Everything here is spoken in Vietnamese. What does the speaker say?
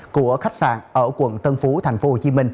của khách sạn ở quận tân phú tp hcm